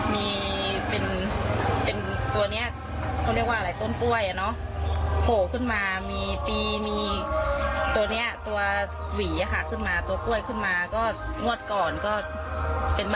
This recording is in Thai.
ตัดต้นแล้วก็มีงอกออกมาอีกเหมือนกัน